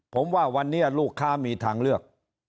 ผมว่าวันนี้ลูกค้ามีทางเลือก